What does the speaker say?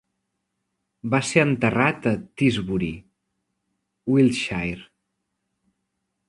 Va ser enterrat a Tisbury, Wiltshire.